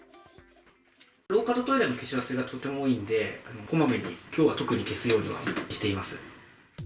廊下とトイレの消し忘れがとても多いんで、こまめに、きょうは特に消すようにはしています。